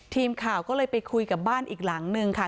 ทีมข่าวก็เลยไปคุยกับบ้านอีกหลังนึงค่ะ